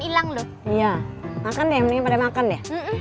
hilang loh iya makanya ini pada makan ya